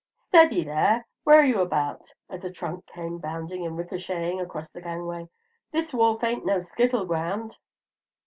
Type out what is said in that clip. Steady there what're you about?" as a trunk came bounding and ricochetting across the gangway; "this wharf ain't no skittle ground!"